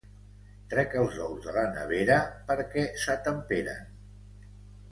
Trec els ous de la nevera perquè s'atemperen.